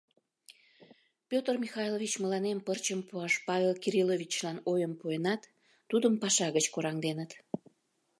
— Петр Михайлович мыланем пырчым пуаш Павел Кирилловичлан ойым пуэнат, тудым паша гыч кораҥденыт.